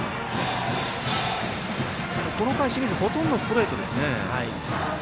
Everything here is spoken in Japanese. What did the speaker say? この回、清水ほとんどストレートですね。